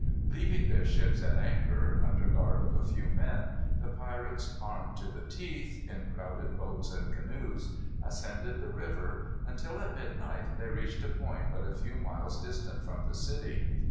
Leaving their ships at anchor, under guard of a few men, the pirates, "armed to the teeth," in crowded boats and canoes, ascended the river until, at midnight, they reached a point but a few miles distant from the city.